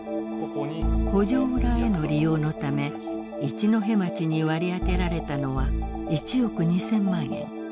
補助裏への利用のため一戸町に割り当てられたのは１億２，０００万円。